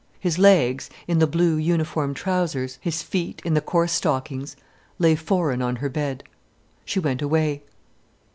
His legs, in the blue uniform trousers, his feet in the coarse stockings, lay foreign on her bed. She went away.